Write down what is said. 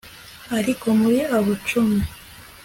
ariko muri abo cumi